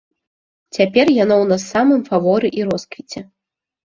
Цяпер яно ў нас у самым фаворы і росквіце.